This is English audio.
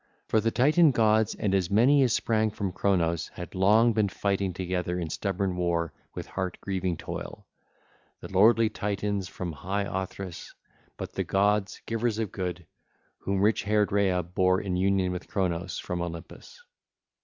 For the Titan gods and as many as sprang from Cronos had long been fighting together in stubborn war with heart grieving toil, the lordly Titans from high Othyrs, but the gods, givers of good, whom rich haired Rhea bare in union with Cronos, from Olympus.